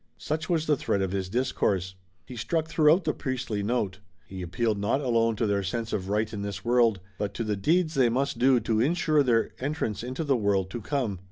Such was the thread of his discourse. He struck throughout the priestly note. He appealed not alone to their sense of right in this world, but to the deeds they must do to insure their entrance into the world to come.